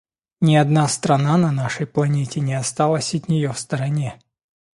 Ни одна страна на нашей планете не осталась от нее в стороне.